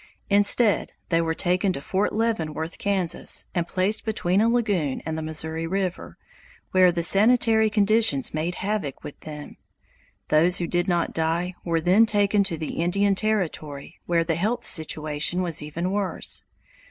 Instead they were taken to Fort Leavenworth, Kansas, and placed between a lagoon and the Missouri River, where the sanitary conditions made havoc with them. Those who did not die were then taken to the Indian Territory, where the health situation was even worse.